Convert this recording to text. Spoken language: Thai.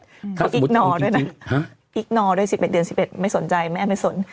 ถ้าสมมุติทำจริงจริงฮะอิกนอร์ด้วย๑๑เดือน๑๑ไม่สนใจแม่ไม่สน